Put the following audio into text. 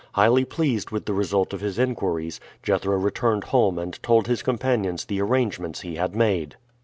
Highly pleased with the result of his inquiries, Jethro returned home and told his companions the arrangements he had made.